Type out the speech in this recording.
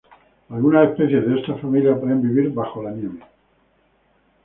Algunas especies de esta familia puede vivir bajo la nieve.